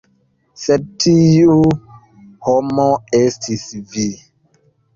Sed tiu homo estis vi.